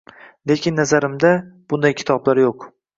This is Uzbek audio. Lekin nazarimda, bunday kitoblar yo’q.